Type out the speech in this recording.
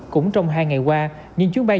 cũng trong hai ngày qua những chuyến bay